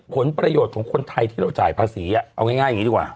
ผลประโยชน์ของคนไทยที่เราจ่ายภาษีเอาง่ายอย่างนี้ดีกว่า